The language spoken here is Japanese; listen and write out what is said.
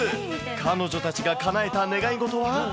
彼女たちがかなえた願い事は？